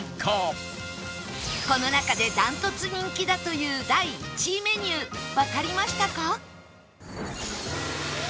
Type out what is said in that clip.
この中で断トツ人気だという第１位メニューわかりましたか？